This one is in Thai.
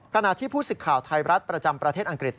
ขณะที่ผู้สิทธิ์ข่าวไทยรัฐประจำประเทศอังกฤษ